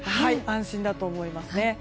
安心だと思いますね。